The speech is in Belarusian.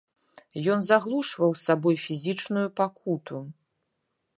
Ён заглушваў сабою фізічную пакуту.